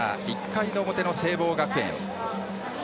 １回の表の聖望学園。